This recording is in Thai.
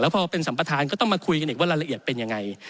พอเป็นสัมประธานก็ต้องมาคุยกันอีกว่ารายละเอียดเป็นยังไง